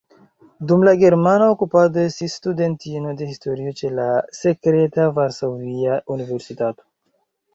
Dum la germana okupado estis studentino de historio ĉe la sekreta Varsovia Universitato.